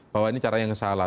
bahwa ini caranya salah